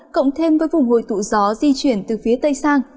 cộng thêm với vùng hồi tụ gió di chuyển từ phía tây sang